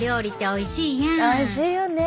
おいしいよね。